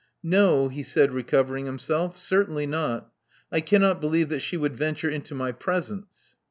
No," he said, recovering himself. Certainly not I cannot believe that she would venture into my presence."